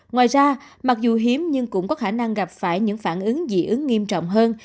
ngoài ra mặc dù hiếm nhưng cũng có khả năng gặp phải những phản ứng dị ứng nghiêm trọng hơn